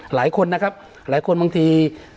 หลายคนนะครับหลายคนบางที